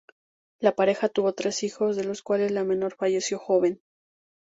La pareja tuvo tres hijos, de los cuales la menor falleció joven.